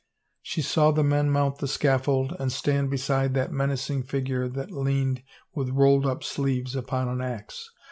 She saw the men mount the scaffold, and stand beside that menacing figure that leaned, with rolled up sleeves, upon an ax.